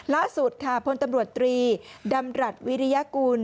ล่าสุดค่ะพลตำรวจตรีดำรัฐวิริยากูล